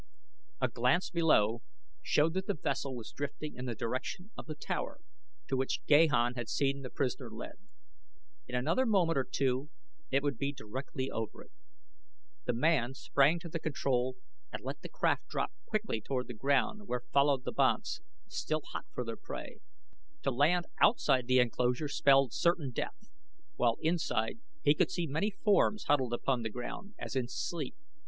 A glance below showed that the vessel was drifting in the direction of the tower to which Gahan had seen the prisoner led. In another moment or two it would be directly over it. The man sprang to the control and let the craft drop quickly toward the ground where followed the banths, still hot for their prey. To land outside the enclosure spelled certain death, while inside he could see many forms huddled upon the ground as in sleep.